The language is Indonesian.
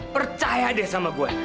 percaya deh sama gue